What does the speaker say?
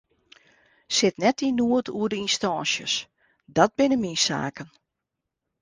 Sit net yn noed oer de ynstânsjes, dat binne myn saken.